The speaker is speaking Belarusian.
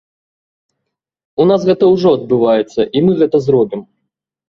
У нас гэта ўжо адбываецца, і мы гэта зробім.